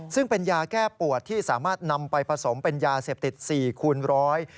ซึ่งเป็นยาแก้ปวดที่สามารถนำไปผสมเป็นยาเสพติด๔คูณร้อย